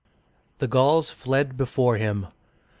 • The Gauls fled before him.